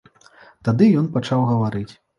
Тады ён пачаў гаварыць.